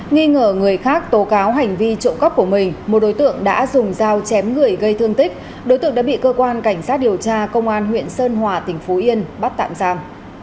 nghi ngờ người khác tố cáo hành vi trộm cắp của mình một đối tượng đã dùng dao chém người gây thương tích đối tượng đã bị cơ quan cảnh sát điều tra công an huyện sơn hòa tỉnh phú yên bắt tạm giam